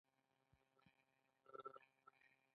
نوبهار یو لوی معبد و